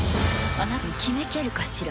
あなたに決めきれるかしら？